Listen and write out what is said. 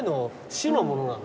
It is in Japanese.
市のものなの？